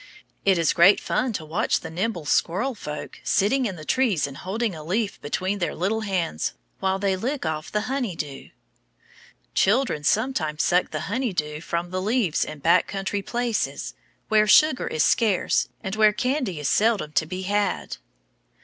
It is great fun to watch the nimble squirrel folk sitting in the trees and holding a leaf between their little hands while they lick off the honey dew. Children sometimes suck the honey dew from the leaves in back country places, where sugar is scarce and where candy is seldom to be had.